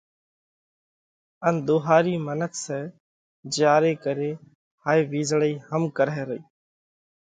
ان ۮوهارِي منک سئہ جيا ري ڪري هائي وِيزۯئِي هم ڪرئه رئِي۔